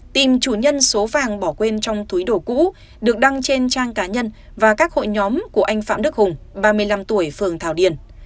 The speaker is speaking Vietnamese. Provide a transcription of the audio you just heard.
tìm chủ nhân số vàng bỏ quên trong túi đồ cũ được đăng trên trang cá nhân và các hội nhóm của anh phạm đức hùng ba mươi năm tuổi phường thảo điền